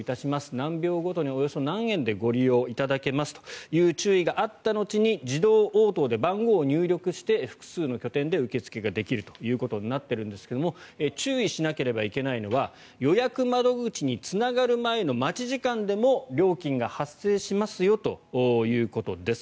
何秒ごとにおよそ何円でご利用いただけますという注意があった後に自動応答で番号を入力して複数の拠点で受け付けができるということになっているんですが注意しなければいけないのは予約窓口につながる前の待ち時間でも料金が発生しますよということです。